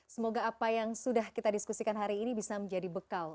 semoga apa yang sudah kita diskusikan hari ini bisa menjadi bekal